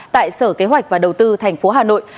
tại sở kế hoạch và đầu tư tp hà nội